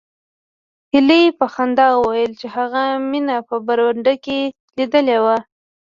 هیلې په خندا وویل چې هغه مینه په برنډه کې لیدلې وه